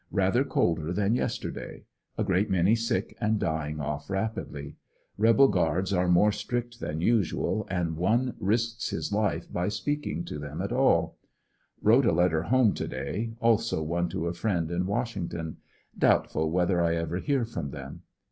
Rather colder than yesterday; a great many sick and dying off rapidly. Rebel guards are more strict than usual, and one risks his life by speaking to them at alL Wrote a letter home to day, also one to a friend in Washington. Doubtful whether I ever hear from them.